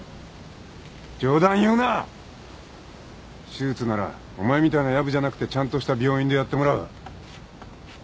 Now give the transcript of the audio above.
手術ならお前みたいなヤブじゃなくてちゃんとした病院でやってもらう。